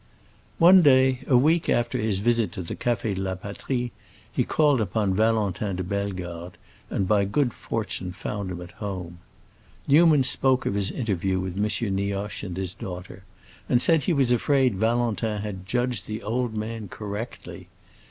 One day, a week after his visit to the Café de la Patrie, he called upon Valentin de Bellegarde, and by good fortune found him at home. Newman spoke of his interview with M. Nioche and his daughter, and said he was afraid Valentin had judged the old man correctly.